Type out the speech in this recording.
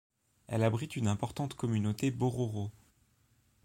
Elle abrite une importante communauté Bororo.